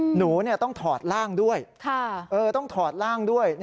หนูต้องถอดร่างด้วย